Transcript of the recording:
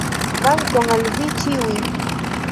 Dankon al Vi Ĉiuj!